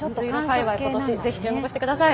今年はぜひ注目してください。